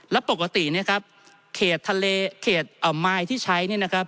แล้วปกติเนี่ยครับเขตทะเลเขตมายที่ใช้เนี่ยนะครับ